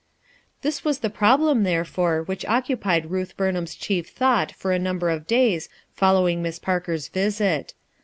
This was the problem therefore which occu pied Ruth Bumham's chief thought for a num ber of days following Miss Parker's visit.